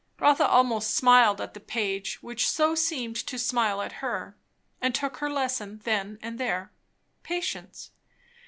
Rotha almost smiled at the page which so seemed to smile at her; and took her lesson then and there. Patience.